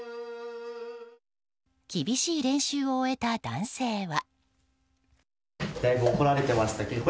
厳しい練習を終えた男性は。